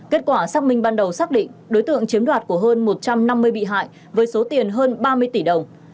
kết quả xác minh ban đầu xác định đối tượng chiếm đoạt của hơn một trăm năm mươi bị hại với số tiền hơn ba mươi tỷ đồng